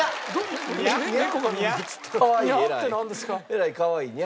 えらいかわいい。